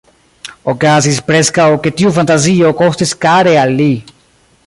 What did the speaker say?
Okazis preskaŭ, ke tiu fantazio kostis kare al li.